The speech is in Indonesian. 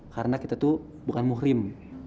karena kita tuh bukan muhrim